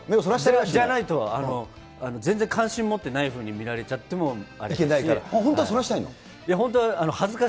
じゃないと、全然関心持ってないふうに見られちゃってもあれだし。